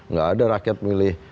nggak ada rakyat milih